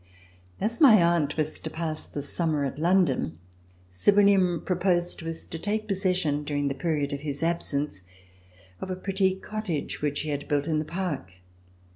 As my aunt was to pass the summer at London, Sir William proposed to us to take possession, during the period of his absence, of a pretty cottage which he had built in the park.